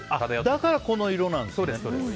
だから、この色なんですね。